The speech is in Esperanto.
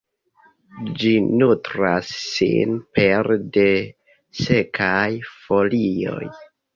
Ĝi nutras sin pere de sekaj folioj.